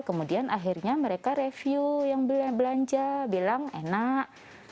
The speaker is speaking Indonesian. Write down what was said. kemudian akhirnya mereka review yang belanja bilang enak